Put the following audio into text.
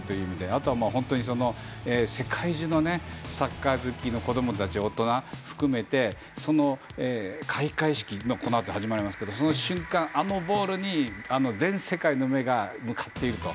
あとは、世界中のサッカー好きの子どもたち大人を含めて、開会式がこのあと始まりますけどもあの瞬間あのボールに全世界の目が向かっていると。